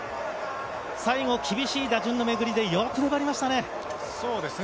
最後、厳しい打順の巡りでよく粘りましたね。